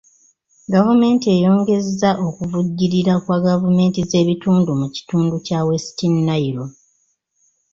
Gavumenti eyongezza okuvujjirira kwa gavumenti z'ebitundu mu kitundu kya West Nile.